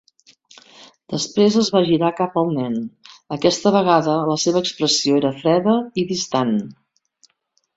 Després es va girar cap al nen: aquesta vegada la seva expressió era freda i distant.